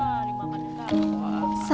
satu tanda nilai